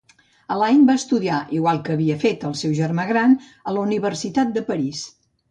Alain va estudiar, igual que havia fet el seu germà gran, a la Universitat de París.